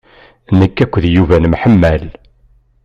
Nekk akked Yuba nemḥemmal.